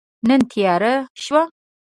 نن تیاره شوه